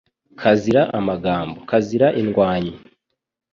Kazira amagambo, kazira indwanyi